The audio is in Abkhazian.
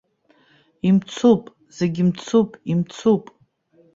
Имцуп, зегьы мцуп, имцуп!